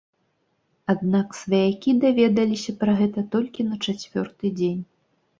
Аднак сваякі даведаліся пра гэта толькі на чацвёрты дзень.